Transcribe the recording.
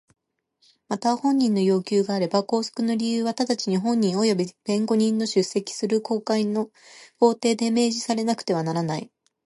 また本人の要求があれば拘束の理由は直ちに本人および弁護人の出席する公開の法廷で明示されなくてはならない。